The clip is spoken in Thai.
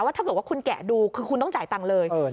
ถ้าเกิดว่าคุณแกะดูคือคุณต้องจ่ายตังค์เลย